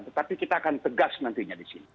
tetapi kita akan tegas nantinya disini